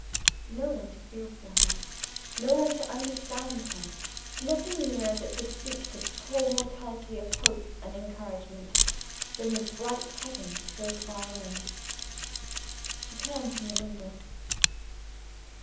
No one to feel for her no one to understand her nothing nearer that could speak to poor mortality of hope and encouragement than the bright heaven, so far away! She turned from the window.